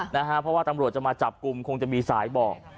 เพราะว่าตำรวจจะมาจับกลุ่มคงจะมีสายบอก